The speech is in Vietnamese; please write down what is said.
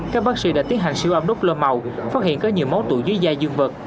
các bác sĩ đã tiến hành siêu áp đốt lơ màu phát hiện có nhiều máu tụi dưới da dương vật